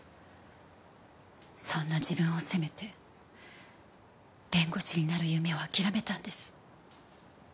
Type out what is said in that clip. そんな自分を責めて弁護士になる夢を諦めたんです。